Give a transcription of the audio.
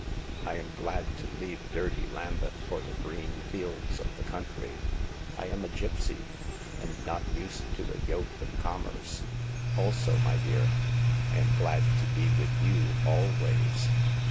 " I am glad to leave dirty Lambeth for the green fields of the country. I am a gipsy, and not used to the yoke of com merce. Also, my dear, I am glad to be with you always."